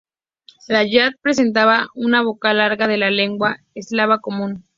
La yat representaba una vocal larga de la lengua eslava común.